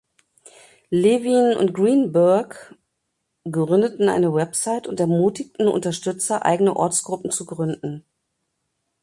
Levin und Greenberg gründeten eine Website und ermutigten Unterstützer eigene Ortsgruppen zu gründen.